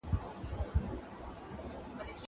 زه کولای سم ځواب وليکم..